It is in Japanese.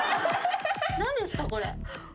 何ですかこれ？